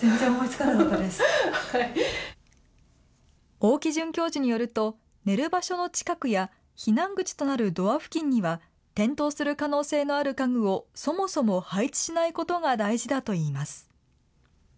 大木准教授によると、寝る場所の近くや、避難口となるドア付近には、転倒する可能性のある家具をそもそも配置しないことが大事だといいます。